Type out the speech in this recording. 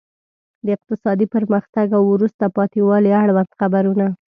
د اقتصادي پرمختګ او وروسته پاتې والي اړوند خبرونه.